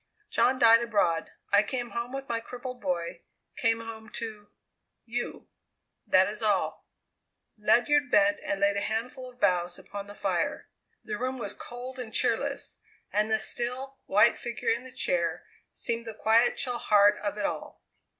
"John died abroad; I came home with my crippled boy; came home to you. That is all!" Ledyard bent and laid a handful of boughs upon the fire. The room was cold and cheerless, and the still, white figure in the chair seemed the quiet, chill heart of it all.